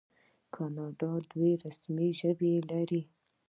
کاناډا دوه رسمي ژبې لري.